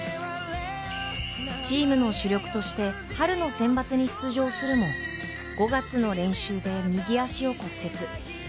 チームの主力として春のセンバツに出場するも、５月の練習で右足を骨折。